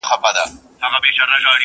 په دامونو ښکار کوي د هوښیارانو،